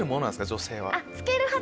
女性は。